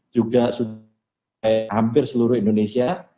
juga sudah hampir seluruh indonesia